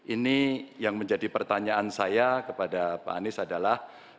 ini yang menjadi pertanyaan saya kepada pak anies adalah